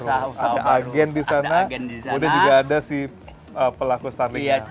ada agen di sana kemudian juga ada si pelaku starling